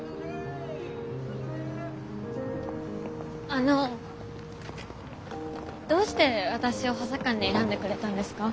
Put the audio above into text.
あのどうして私を補佐官に選んでくれたんですか？